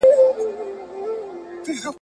سیال هیواد ترانزیتي لاره نه تړي.